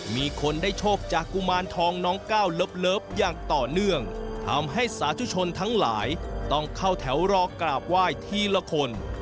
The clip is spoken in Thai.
มีคนได้โชคจากกุมารทองน้องก้าวเลิฟอย่างต่อเนื่องทำให้สาธุชนทั้งหลายต้องเข้าแถวรอกราบไหว้ทีละคน